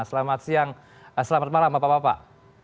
selamat malam bapak bapak